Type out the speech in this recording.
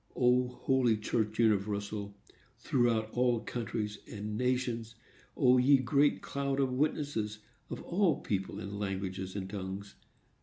O, holy church universal, throughout all countries and nations! O, ye great cloud of witnesses, of all people and languages and tongues!